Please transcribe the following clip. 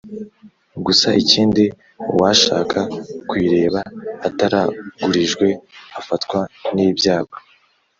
gusa ikindi uwashaka kuyireba ataragurijwe afatwa nibyago